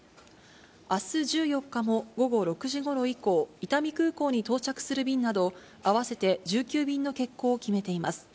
あす１４日も午後６時ごろ以降、伊丹空港に到着する便など、合わせて１９便の欠航を決めています。